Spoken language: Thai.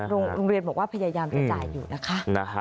โรงเรียนบอกว่าพยายามจะจ่ายอยู่นะคะ